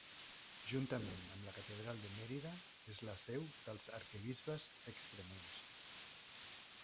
Juntament amb la Catedral de Mèrida, és la seu dels arquebisbes extremenys.